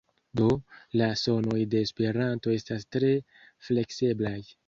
Do, la sonoj de esperanto estas tre flekseblaj.